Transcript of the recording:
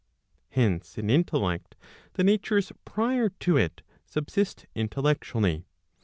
Hence in intellect, the natures prior to it subsist intellectu¬ ally.